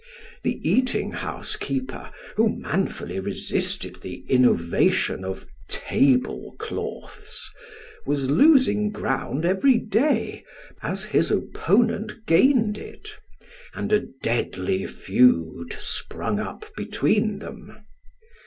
Tho eating house keeper who manfully resisted the innovation of table cloths, was losing ground every day, as his opponent gained it, and a deadly feud sprung up between them.